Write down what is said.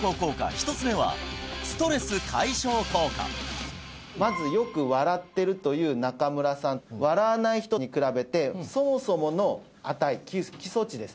１つ目はまずよく笑ってるという中村さん笑わない人に比べてそもそもの値基礎値ですね